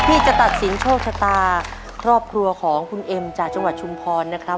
จะตัดสินโชคชะตาครอบครัวของคุณเอ็มจากจังหวัดชุมพรนะครับ